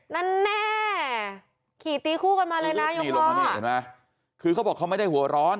นั่นแน่ขี่ตีคู่กันมาเลยนะคือเขาบอกเขาไม่ได้หัวร้อน